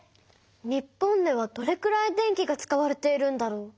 日本ではどれくらい電気が使われているんだろう？